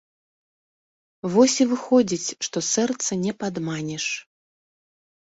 Вось і выходзіць, што сэрца не падманеш.